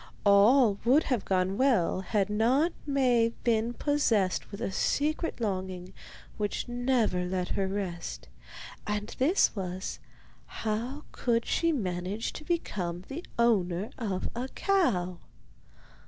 All would have gone well had not Maie been possessed with a secret longing which never let her rest; and this was, how she could manage to become the owner of a cow.